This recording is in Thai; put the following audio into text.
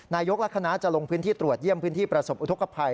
ยกและคณะจะลงพื้นที่ตรวจเยี่ยมพื้นที่ประสบอุทธกภัย